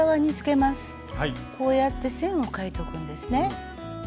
こうやって線を書いとくんですね。